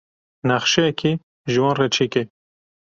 Nexşeyekê ji wan re çêke.